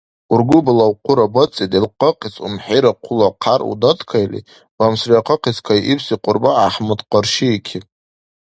Ургубалав, хъура баци, делкъахъес умхӀира хъула хӀяръу даткаили, бамсриахъес кайибси Кьурба ГӀяхӀмад къаршиикиб.